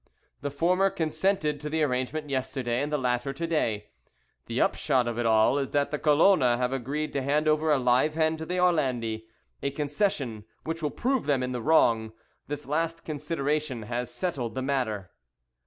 The former consented to the arrangement yesterday, and the latter to day. The upshot of it all is that the Colona have agreed to hand over a live hen to the Orlandi, a concession which will prove them in the wrong. This last consideration has settled the matter."